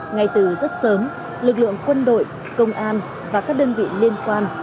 ngay từ rất sớm lực lượng quân đội công an và các đơn vị liên quan